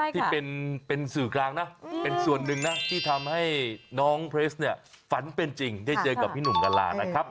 ที่เป็นสื่อกลางนะเป็นส่วนหนึ่งนะที่ทำให้น้องเพลสเนี่ยฝันเป็นจริงได้เจอกับพี่หนุ่มกะลานะครับ